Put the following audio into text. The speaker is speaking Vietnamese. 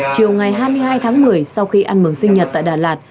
chiều ngày hai mươi hai tháng một mươi sau khi ăn mừng sinh nhật tại đà lạt